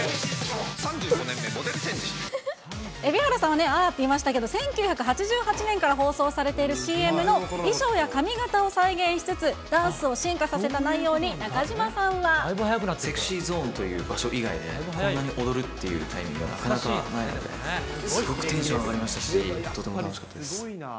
蛯原さんはね、あーって言いましたけど、１９８８年から放送されているＣＭの衣装や髪形を再現しつつ、ダンスを進化させた内容に、中島さんは。ＳｅｘｙＺｏｎｅという場所以外で、こんなに踊るっていうタイミングがなかなかないので、すごくテンション上がりましたし、とても楽しかったです。